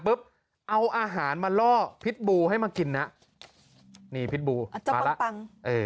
ปุ๊บเอาอาหารมาล่อพิษบูให้มากินน่ะนี่เป็นปลูเอ่อ